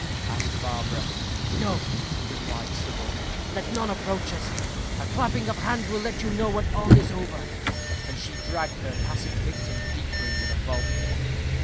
asked Barbara. "No," replied Sybil; "let none approach us. A clapping of hands will let you know when all is over." And she dragged her passive victim deeper into the vault.